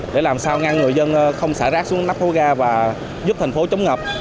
để làm sao ngăn người dân không xả rác xuống nắp hố ga và giúp thành phố chống ngập